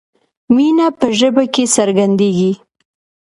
مینه په ژبه کې څرګندیږي.